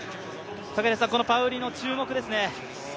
このパウリノ、注目ですね。